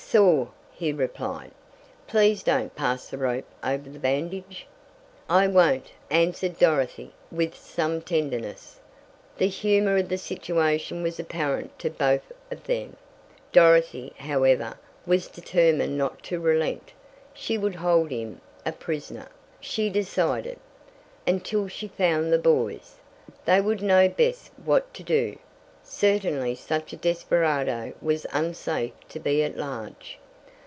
"Sore," he replied. "Please don't pass the rope over the bandage." "I won't," answered Dorothy with some tenderness. The humor of the situation was apparent to both of them. Dorothy, however, was determined not to relent, she would hold him a prisoner, she decided, until she found the boys. They would know best what to do. Certainly such a desperado was unsafe to be at large.